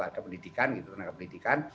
ada pendidikan gitu tenaga pendidikan